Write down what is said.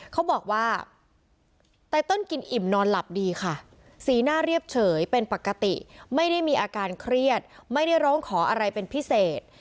เขาบอกว่าไตเติลกินอิ่มนอนหลับดีค่ะสีหน้าเรียบเฉยเป็นปกติไม่ได้มีอาการเครียดไม่ได้ร้องขออะไรเป็นพิเศษ